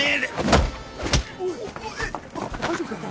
大丈夫か？